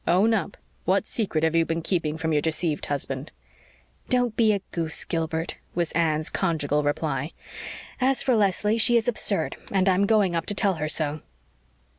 Own up. What secret have you been keeping from your deceived husband?" "Don't be a goose, Gilbert," was Anne's conjugal reply. "As for Leslie, she is absurd and I'm going up to tell her so."